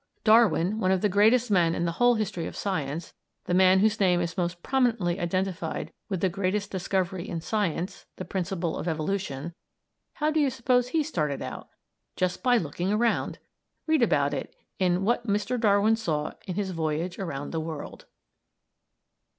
Darwin, one of the greatest men in the whole history of science the man whose name is most prominently identified with the greatest discovery in science, the principle of evolution how do you suppose he started out? Just by looking around! Read about it in "What Mr. Darwin Saw in His Voyage around the World."